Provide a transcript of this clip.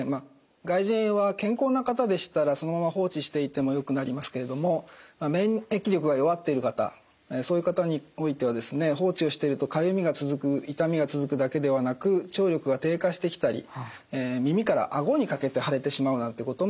外耳炎は健康な方でしたらそのまま放置していてもよくなりますけれども免疫力が弱っている方そういう方においては放置をしているとかゆみが続く痛みが続くだけではなく聴力が低下してきたり耳から顎にかけて腫れてしまうなんてこともありえます。